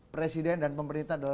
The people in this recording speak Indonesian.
presiden dan pemerintah dalam